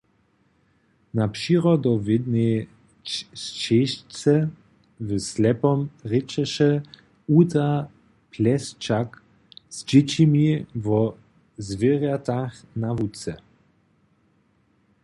Na přirodowědnej šćežce w Slepom rěčeše Uta Pleschak z dźěćimi wo zwěrjatach na łuce.